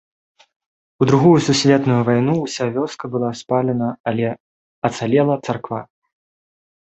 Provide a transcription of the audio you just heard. У другую сусветную вайну ўся вёска была спалена, але ацалела царква.